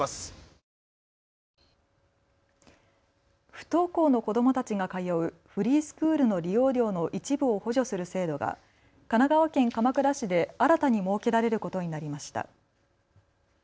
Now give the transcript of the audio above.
不登校の子どもたちが通うフリースクールの利用料の一部を補助する制度が神奈川県鎌倉市で新たに設けられることになりました。